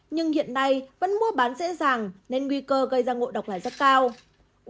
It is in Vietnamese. nhưng hiện nay vẫn mua bán dễ dàng nên nguy cơ gây ra ngộ độc này rất cao